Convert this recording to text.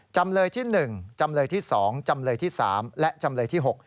จำเลยที่๑จำเลยที่๒จำเลยที่๓และจำเลยที่๖